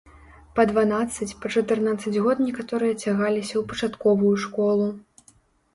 Па дванаццаць, па чатырнаццаць год некаторыя цягаліся ў пачатковую школу.